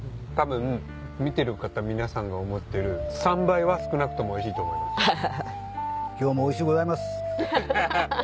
多分見てる方皆さんが思ってる３倍は少なくともおいしいと思います。